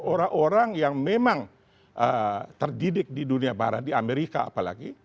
orang orang yang memang terdidik di dunia barat di amerika apalagi